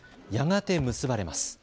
やがて結ばれます。